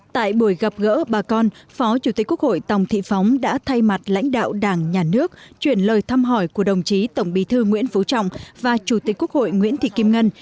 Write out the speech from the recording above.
tại buổi gặp gỡ bà con phó chủ tịch quốc hội tòng thị phóng đã thay mặt lãnh đạo đảng nhà nước chuyển lời thăm hỏi của đồng chí tổng bí thư nguyễn phú trọng và chủ tịch quốc hội nguyễn thị kim ngân